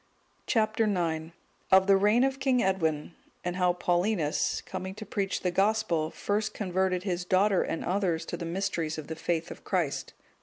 Chap. IX. Of the reign of King Edwin, and how Paulinus, coming to preach the Gospel, first converted his daughter and others to the mysteries of the faith of Christ.